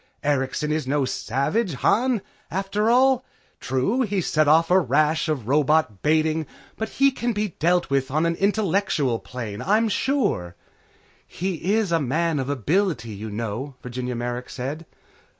Erikson is no savage, Han, after all. True he's set off a rash of robot baiting, but he can be dealt with on an intelligent plane, I'm sure." "He is a man of ability, you know," Virginia Merrick said.